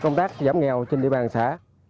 công tác giọng nghèo trên địa bàn xã